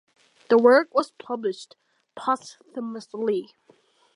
The work was published posthumously.